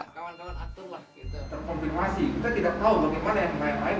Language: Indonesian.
terkonfirmasi kita tidak tahu bagaimana yang lain lain